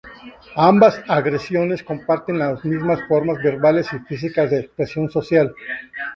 Ambas agresiones comparten las mismas formas verbales y físicas de expresión social.